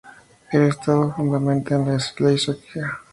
El Estado se fundamentaba en la Ley Sharia.